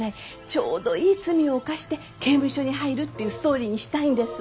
ちょうどいい罪を犯して刑務所に入るっていうストーリーにしたいんです。